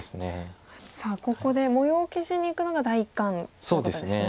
さあここで模様を消しにいくのが第一感ということですね。